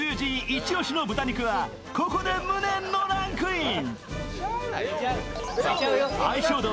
イチ押しの豚肉は、ここで無念のランクイン。